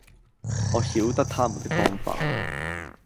我曉得他們的方法，